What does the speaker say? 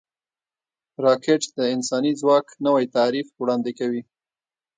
راکټ د انساني ځواک نوی تعریف وړاندې کوي